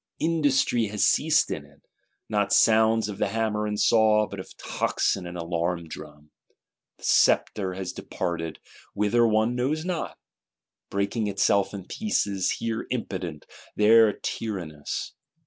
Industry has ceased in it; not sounds of the hammer and saw, but of the tocsin and alarm drum. The sceptre has departed, whither one knows not;—breaking itself in pieces: here impotent, there tyrannous.